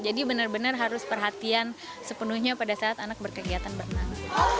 jadi benar benar harus perhatian sepenuhnya pada saat anak berkegiatan berenang